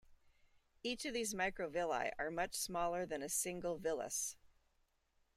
Each of these microvilli are much smaller than a single villus.